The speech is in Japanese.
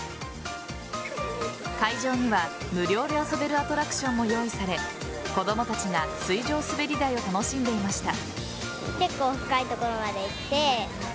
会場には無料で遊べるアトラクションも用意され子供たちが水上すべり台を楽しんでいました。